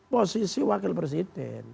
posisi wakil presiden